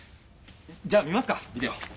じゃあ見ますかビデオ。